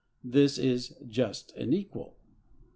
—This is "just and equal!"